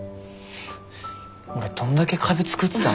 俺どんだけ壁作ってたの。